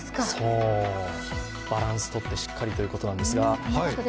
バランスとってしっかりということですが。